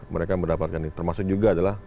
mereka mendapatkan ini termasuk juga adalah